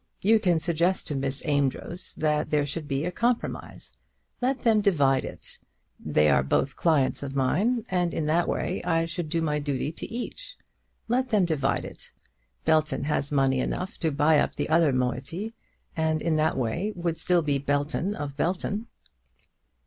You can suggest to Miss Amedroz that there should be a compromise. Let them divide it. They are both clients of mine, and in that way I shall do my duty to each. Let them divide it. Belton has money enough to buy up the other moiety, and in that way would still be Belton of Belton."